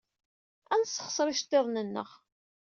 Ad nessexṣer iceḍḍiḍen-nneɣ.